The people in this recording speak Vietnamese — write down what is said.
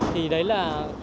thì đấy là